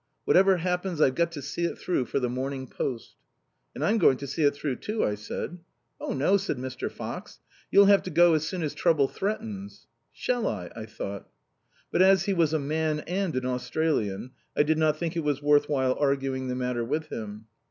Whatever happens, I've got to see it through for the Morning Post." "And I'm going to see it through, too," I said. "Oh no!" said Mr. Fox. "You'll have to go as soon as trouble threatens!" "Shall I?" I thought. But as he was a man and an Australian, I did not think it was worth while arguing the matter with him.